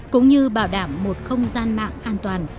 cũng như bảo đảm một không gian mạng an toàn